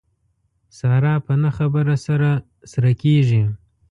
ساره په نه خبره سره سره کېږي.